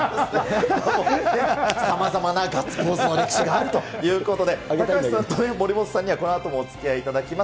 さまざまなガッツポーズの歴史があるということで、高橋さんと森本さんにはこのあともおつきあいいただきます。